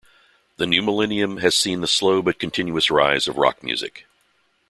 The new millennium has seen the slow but continuous rise of rock music.